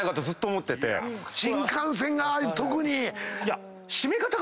新幹線が特に。